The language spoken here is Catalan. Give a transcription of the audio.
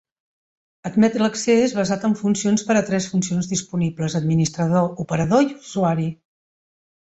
Admet l'accés basat en funcions per a tres funcions disponibles: Administrador, Operador i Usuari.